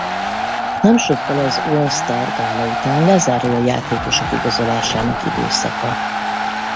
Nem sokkal az All-Star-gála után lezárul a játékosok igazolásának időszaka.